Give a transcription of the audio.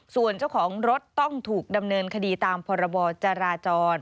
ส่วนเจ้าของรถต้องถูกดำเนินคดีตามพรบจราจร